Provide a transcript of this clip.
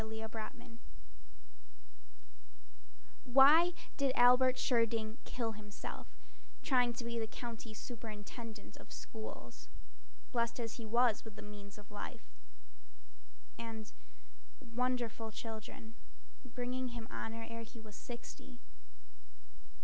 Jonas Keene Why did Albert Schirding kill himself Trying to be County Superintendent of Schools, Blest as he was with the means of life And wonderful children, bringing him honor Ere he was sixty?